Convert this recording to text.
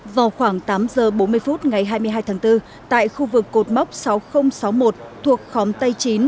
vào khoảng tám giờ bốn mươi phút ngày hai mươi hai tháng bốn tại khu vực cột mốc sáu nghìn sáu mươi một thuộc khóm tây chín